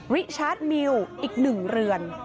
วิชาร์จมิวอีก๑เรือน